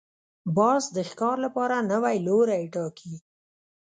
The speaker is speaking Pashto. باز د ښکار لپاره نوی لوری ټاکي